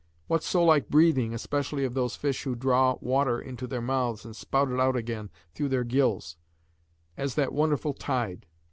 What so like breathing, especially of those fish who draw water into their mouths and spout it out again through their gills, as that wonderful tide!